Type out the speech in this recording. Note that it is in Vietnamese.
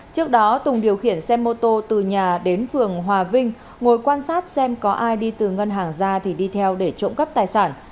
trước đó tùng điều khiển xe mô tô từ nhà đến phường hòa vinh ngồi quan sát xem có ai đi từ ngân hàng ra thì đi theo để trộm cắp tài sản